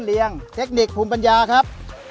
เรียงเทคนิคภูมิปัญญาครับ